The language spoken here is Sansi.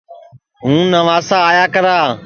ہُوں نُواس آیا کرا